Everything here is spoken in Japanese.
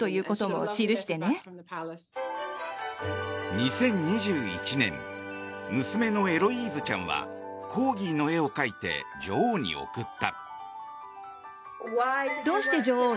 ２０２１年娘のエロイーズちゃんはコーギーの絵を描いて女王に送った。